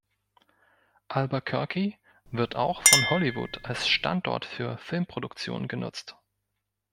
Albuquerque wird auch von Hollywood als Standort für Filmproduktionen genutzt.